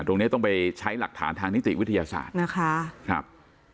ตรงนี้ต้องไปใช้หลักฐานทางนิติวิทยาศาสตร์นะคะครับ